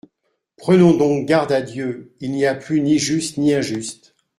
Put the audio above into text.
Prenons donc garde à Dieu ! Il n'y a plus ni juste ni injuste.